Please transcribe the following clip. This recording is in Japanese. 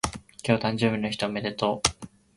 今日誕生日の人おめでとう